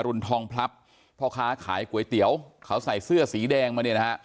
รุนทองพลับพ่อค้าขายก๋วยเตี๋ยวเขาใส่เสื้อสีแดงมาเนี่ยนะฮะ